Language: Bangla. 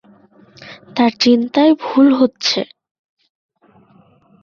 তাঁর চিন্তায় ভুল হচ্ছে।